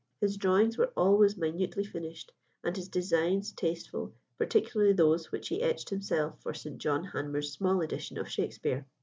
His drawings were always minutely finished, and his designs tasteful, particularly those which he etched himself for Sir John Hanmer's small edition of Shakspere.